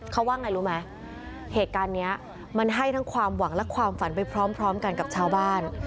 เขาว่าไงรู้ไหมเหตุการณ์นี้มันให้ทั้งความหวังและความฝันไปพร้อมกันกับชาวบ้าน